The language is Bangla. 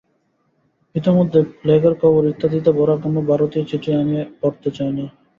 ইতোমধ্যে প্লেগের খবর ইত্যাদিতে ভরা কোন ভারতীয় চিঠি আমি পড়তে চাই না।